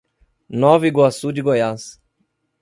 Nova Iguaçu de Goiás